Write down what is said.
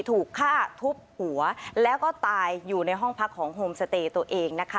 ถูกฆ่าทุบหัวแล้วก็ตายอยู่ในห้องพักของโฮมสเตย์ตัวเองนะคะ